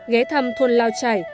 ghé thăm thôn lao trải